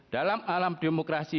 dalam alam demokrasi